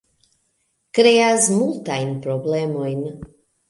Kreas multajn problemojn